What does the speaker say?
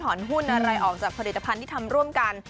หุ้นอะไรออกจากผลิตภัณฑ์ที่ทำร่วมกัน